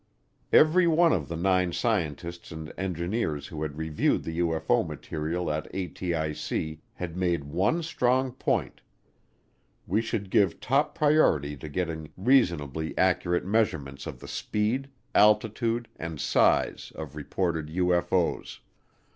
Every one of the nine scientists and engineers who had reviewed the UFO material at ATIC had made one strong point: we should give top priority to getting reasonably accurate measurements of the speed, altitude, and size of reported UFO's.